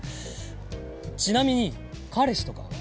ちなみに彼氏とかは？